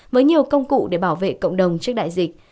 với nhiều công cụ để bảo vệ cộng đồng trước đại dịch